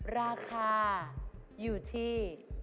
ราคาอยู่ที่